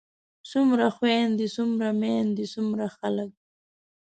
څومره خويندے څومره ميايندے څومره خلک